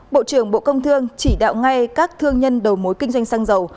bộ trưởng bộ công thương chỉ đạo ngay các thương nhân đầu mối kinh doanh xăng dầu